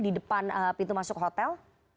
di depan pintu masuk hotel